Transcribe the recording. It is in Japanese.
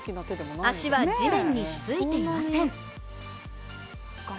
足は地面についていません。